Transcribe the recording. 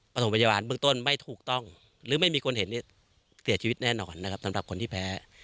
ปฐมพัญญาวาลเบื้องต้นไม่ถูกต้องหรือไม่มีคนเห็นเสียชีวิตแน่นอนคนที่แพ้